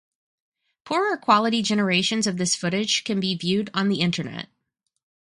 Poorer quality generations of this footage can be viewed on the Internet.